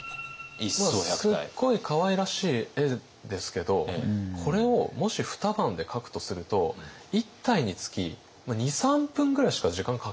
すっごいかわいらしい絵ですけどこれをもし二晩で描くとすると１体につき２３分ぐらいしか時間かけられないわけですよ。